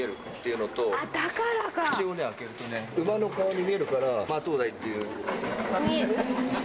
口を開けるとね、馬の顔に見えるからマトウダイっていう。